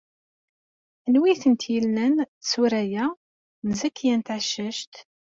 Anwa ay tent-ilan tsura-a? N Zakiya n Tɛeccact.